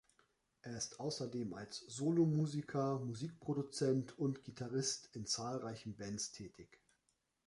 Er ist außerdem als Solomusiker, Musikproduzent und Gitarrist in zahlreichen Bands tätig.